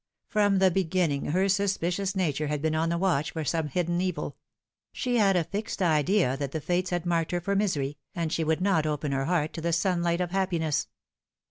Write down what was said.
From the beginning her suspicious nature had been on the watch for some hidden eviL She had a fixed idea that the Fates had marked her for misery, and she would not open her heart to the sunlight of happiness.